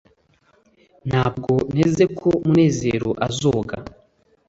ntabwo nteze ko munezero azoga